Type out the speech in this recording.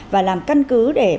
và làm căn cứ để bảo hiểm